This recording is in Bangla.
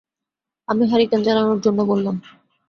আমি হারিকেন জ্বালানোর জন্যে বললাম!